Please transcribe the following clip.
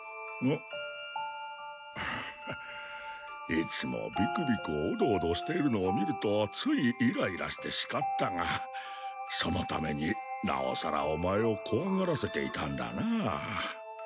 いつもビクビクオドオドしているのを見るとついイライラして叱ったがそのためになおさらオマエを怖がらせていたんだな。